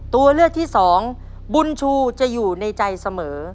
ตัวเลือกที่สองบุญชูจะอยู่ในใจเสมอ